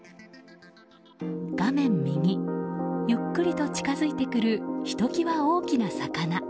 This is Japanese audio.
画面右、ゆっくりと近づいてくるひときわ大きな魚。